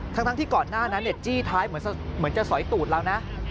ทั้งที่ก่อนหน้านั้นจี้ท้ายเหมือนจะสอยตูดเรานะ